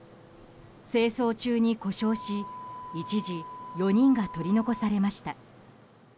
清掃中に故障し一時、４人が取り残されました。